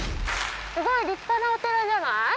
すごい立派なお寺じゃない？